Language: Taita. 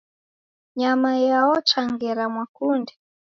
Nyama yaochwa ngera mwakunde.